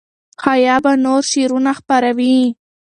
حیا به نور شعرونه خپروي.